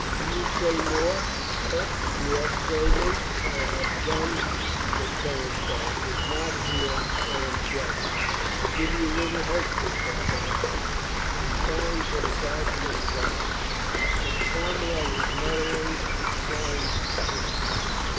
"Do you say more, sir?" he asked gravely. "I have done," said Colonel Stow. "It is not here I am judged." "I give you little hope," said Fairfax and signed ROYSTON DELIVERS HIS SOUL 431 to the sergeant of the guard. But Cromwell was muttering and trying to speak.